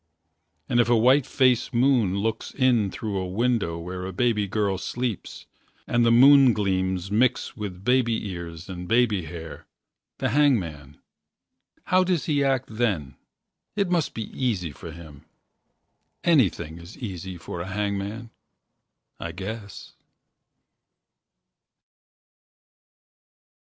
And if a white face moon looks In through a window where a baby girl Sleeps and the moon gleams mix with Baby ears and baby hair the hangman How does he act then? It must be easy For him. Anything is easy for a hangman, I guess.